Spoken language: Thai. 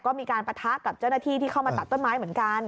ก็มีการปะทะกับเจ้าหน้าที่ที่เข้ามาตัดต้นไม้เหมือนกัน